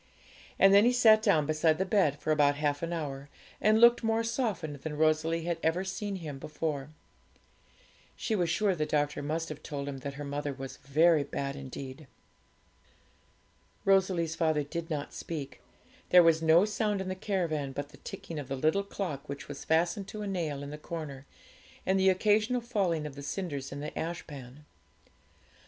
And then he sat down beside the bed for about half an hour, and looked more softened than Rosalie had ever seen him before. She was sure the doctor must have told him that her mother was very bad indeed. Rosalie's father did not speak; there was no sound in the caravan but the ticking of the little clock which was fastened to a nail in the corner, and the occasional falling of the cinders in the ashpan.